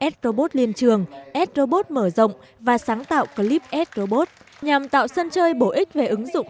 s robot liên trường s robot mở rộng và sáng tạo clip ed robot nhằm tạo sân chơi bổ ích về ứng dụng